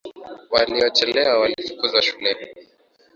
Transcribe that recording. Waliochelewa walifukuzwa shuleni.